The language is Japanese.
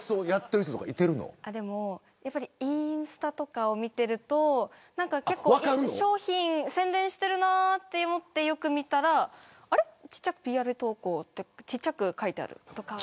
インスタとかを見てると商品、宣伝してるなと思ってよく見たらちっちゃくＰＲ投稿って書いてあるとか。